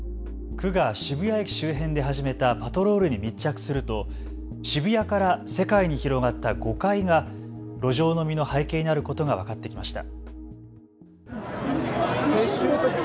区が渋谷駅周辺で始めたパトロールに密着すると渋谷から世界に広がった誤解が路上飲みの背景にあることが分かってきました。